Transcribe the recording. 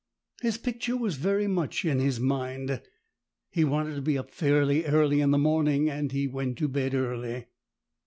His picture was very much in his mind. He wanted to be up fairly early in the morning, and he went to bed early.